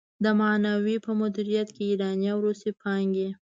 د معنوي په مديريت ايراني او روسي پانګې.